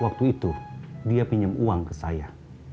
waktu itu dia pinjam uang ke saya